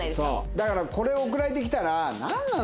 だからこれ送られてきたらなんなの？